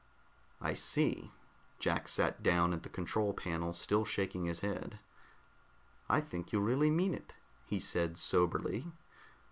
"I see." Jack sat down at the control panel, still shaking his head. "I think you really mean it," he said soberly.